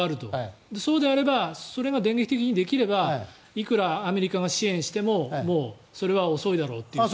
そうであればそれができるのであればいくらアメリカが支援してももうそれは遅いだろうという。